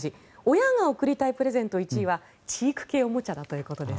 親が送りたいプレゼント１位は知育系おもちゃだということです。